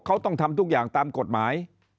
เขาต้องทำทุกอย่างตามกฎหมาย